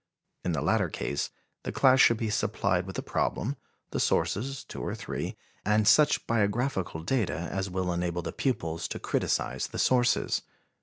In the latter case, the class should be supplied with the problem, the sources (two or three) and such biographical data as will enable the pupils to criticise the sources.